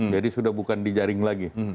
jadi sudah bukan dijaringkan